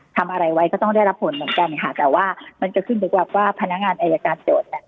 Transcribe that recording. ทำอะไรไว้ก็ต้องได้รับผลเหมือนกันค่ะแต่ว่ามันก็ขึ้นอยู่กับว่าพนักงานอายการโจทย์เนี่ย